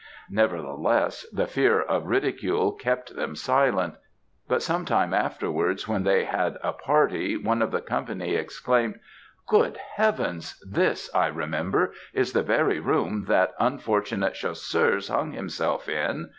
Nevertheless, the fear of ridicule kept them silent; but some time afterwards, when they had a party, one of the company exclaimed, 'Good Heavens! This, I remember, is the very room that unfortunate Chasseurs hung himself in!'